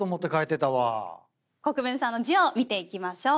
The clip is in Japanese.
国分さんの字を見ていきましょう。